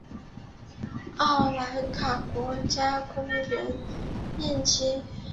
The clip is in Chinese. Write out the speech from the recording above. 奥兰卡国家公园面积。